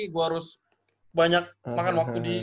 gue harus banyak makan waktu di